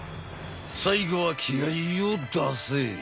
最後は気合いを出せ。